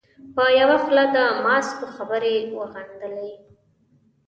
په یوه خوله د ماسکو خبرې وغندلې.